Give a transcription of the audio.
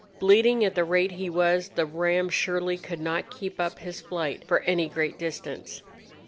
Bleeding at the rate he was, the ram surely could not keep up his flight for any great distance.